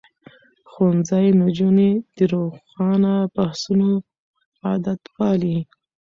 ښوونځی نجونې د روښانه بحثونو عادت پالي.